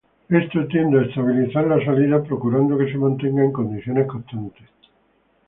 Esto tiende a estabilizar la salida, procurando que se mantenga en condiciones constantes.